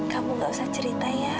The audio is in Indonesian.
kamu gak usah cerita ya